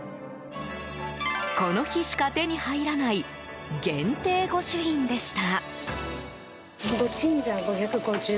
この日しか手に入らない限定御朱印でした。